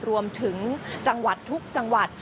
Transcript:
รวมถึงจังหวัดทุกจังหวัด